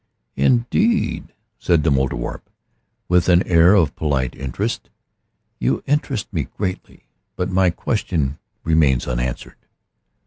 "Indeed?" said the Mouldierwarp with an air of polite interest. "You interest me greatly. But my question remains unanswered."